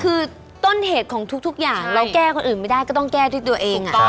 คือต้นเหตุของทุกอย่างเราแก้คนอื่นไม่ได้ก็ต้องแก้ด้วยตัวเอง